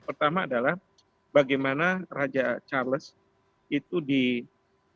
pertama adalah bagaimana raja charles itu dihubungkan dengan raja elizabeth